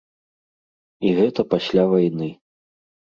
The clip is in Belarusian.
І гэта пасля вайны.